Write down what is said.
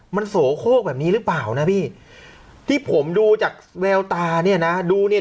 มันโสโคกแบบนี้หรือเปล่านะพี่ที่ผมดูจากแววตาเนี่ยนะดูเนี่ย